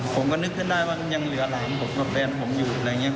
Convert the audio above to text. ผมก็นึกขึ้นได้ว่ายังเหลือหลานผมกับแฟนผมอยู่อะไรอย่างนี้